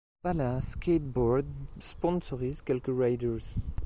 Palace Skateboards sponsorise quelques riders.